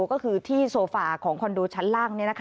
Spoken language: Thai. ก็คือที่โซฟาของคอนโดชั้นล่าง